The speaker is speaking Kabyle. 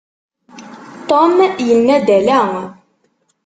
Tom yenna-d ala.